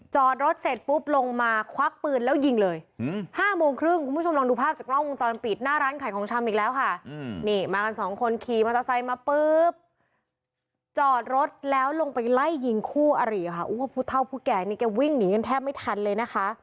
จอดรถเสร็จปุ๊บลงมาควักปืนแล้วยิงเลย